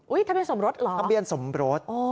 อุ้ยทะเบียนสมรสเหรอ